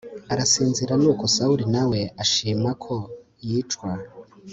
arasinzira Nuko Sawuli na we ashima ko yicwa